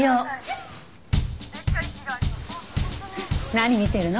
何見てるの？